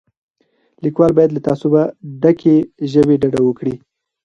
لیکوال باید له تعصب ډکې ژبې ډډه وکړي.